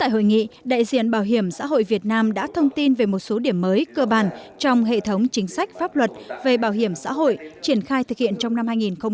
tại hội nghị đại diện bảo hiểm xã hội việt nam đã thông tin về một số điểm mới cơ bản trong hệ thống chính sách pháp luật về bảo hiểm xã hội triển khai thực hiện trong năm hai nghìn hai mươi